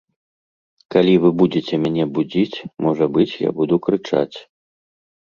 Калі вы будзеце мяне будзіць, можа быць, я буду крычаць.